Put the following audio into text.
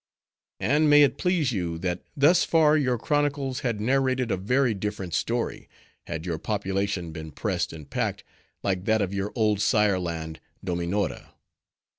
"And, may it please you, that thus far your chronicles had narrated a very different story, had your population been pressed and packed, like that of your old sire land Dominora.